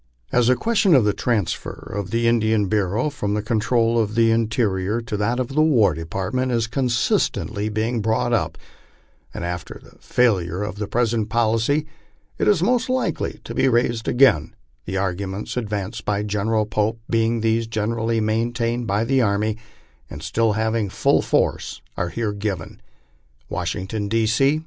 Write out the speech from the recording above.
As the question of the transfer of the Indian Bureau from the control of the Interior to that of the War Department is constantly being brought up, and after the fail ure of the present policy is most likely to be raised again, the arguments ad vanced by General Pope, being those generally maintained by the army, and still having full force, are here given : WASHINGTON, D. C.